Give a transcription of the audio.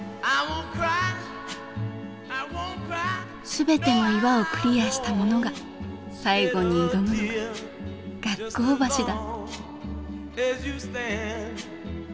全ての岩をクリアした者が最後に挑むのが学校橋だ。